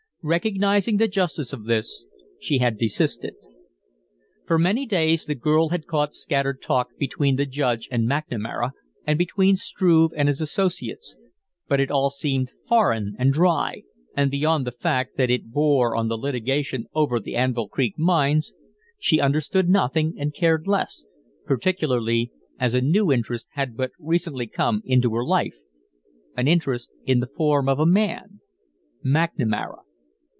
Recognizing the justice of this, she had desisted. For many days the girl had caught scattered talk between the Judge and McNamara, and between Struve and his associates, but it all seemed foreign and dry, and beyond the fact that it bore on the litigation over the Anvil Creek mines, she understood nothing and cared less, particularly as a new interest had but recently come into her life, an interest in the form of a man McNamara.